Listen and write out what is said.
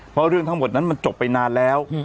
เพราะเรื่องทั้งหมดนั้นมันจบไปนานแล้ว